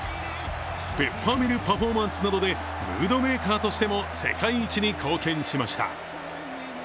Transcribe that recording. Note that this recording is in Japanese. ペッパーミルパフォーマンスなどでムードメーカーとしても世界一に貢献しました。